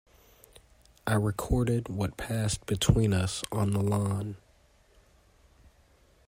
I recorded what passed between us on the lawn.